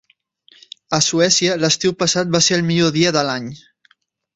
A Suècia, l’estiu passat va ser el millor dia de l’any.